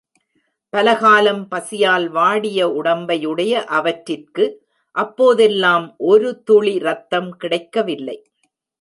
பல காலம் பசியால் வாடிய உடம்பையுடைய அவற்றிற்கு அப்போதெல்லாம் ஒரு துளி ரத்தம் கிடைக்கவில்லை.